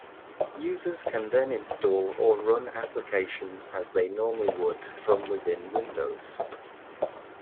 Users can then install or run applications as they normally would from within Windows.